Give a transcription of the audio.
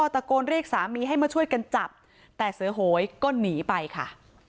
ตะโกนเรียกสามีให้มาช่วยกันจับแต่เสือโหยก็หนีไปค่ะ